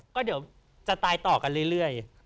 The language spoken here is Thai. ก็เดี๋ยวจะตายต่อกันเรื่อย